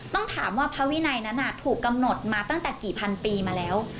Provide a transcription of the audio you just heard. ต้องถามว่าพระวินัยนั้นถูกกำหนดมาตั้งแต่กี่พันปีมาแล้ว